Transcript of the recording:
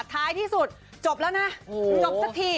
ท้ายที่สุดจบแล้วนะจบสักที